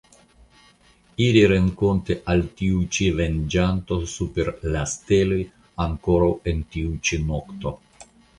Iri renkonte al tiu ĉi venĝanto super la steloj ankoraŭ en tiu ĉi nokto!